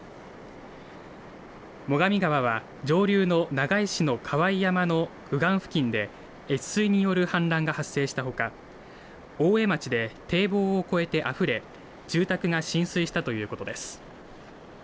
最上川は上流の長井市の河井山の右岸付近で、越水による氾濫が発生したほか大江町で堤防を越えてあふれ住宅が浸水したということです。